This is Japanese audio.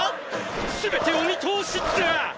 全てお見通しだァッ！！